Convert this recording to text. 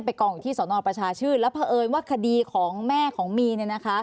ไปกล่องอยู่ที่สอนอนประชาชื่นแล้วเผอิญว่าคดีของแม่ของมีน